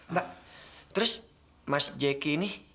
mbak terus mas jki ini